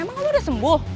emang lo udah sembuh